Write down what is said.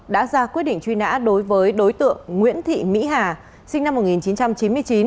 đã ra quyết định truy nã đối với đối tượng nguyễn thị mỹ hà sinh năm một nghìn chín trăm chín mươi chín